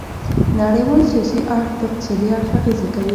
نړیوال سیاسي اړخ په اقتصادي اړخ اغیزه کوي